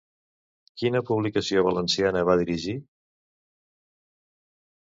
Quina publicació valenciana va dirigir?